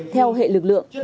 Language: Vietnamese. theo hệ lực lượng